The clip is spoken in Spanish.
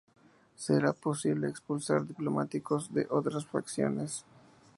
Será posible expulsar diplomáticos de otras facciones.